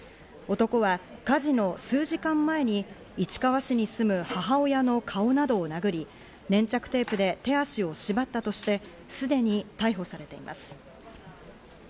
男は火事の数時間前に市川市に住む母親の顔などを殴り、粘着テープで手足を縛ったとして、すでに逮捕されています。